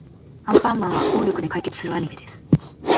アンパンマンは暴力で解決するアニメです。